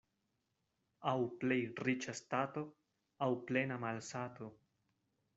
Aŭ plej riĉa stato, aŭ plena malsato.